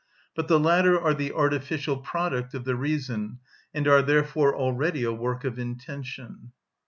But the latter are the artificial product of the reason, and are therefore already a work of intention.